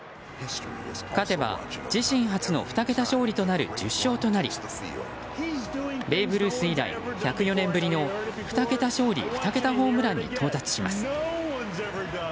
勝てば、自身初の２桁勝利となる１０勝となりベーブ・ルース以来１０４年ぶりの２桁勝利２桁ホームランに到達します。